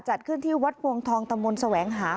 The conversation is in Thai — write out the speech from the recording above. จัดขึ้นที่วัดวงทองตะมนต์แสวงหา